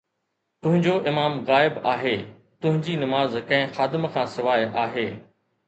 تنهنجو امام غائب آهي، تنهنجي نماز ڪنهن خادم کان سواءِ آهي